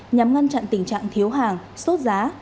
nhằm ngăn chặn tình trạng thiếu hàng sốt giá